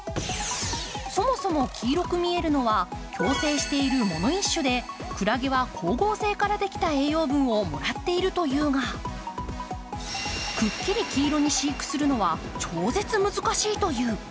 そもそも、黄色く見えるのは共生している藻の一種でクラゲは光合成からできた栄養分をもらっているというが、くっきり黄色に飼育するのは超絶難しいという。